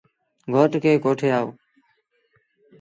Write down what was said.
گھوٽ کي ڪوٺي آئو۔